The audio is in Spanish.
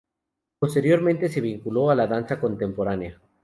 Posteriormente se vinculó a la danza contemporánea.